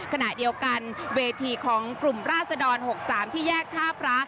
ขณะเดียวกันเวทีของกลุ่มราศดร๖๓ที่แยกท่าพระ